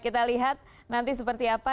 kita lihat nanti seperti apa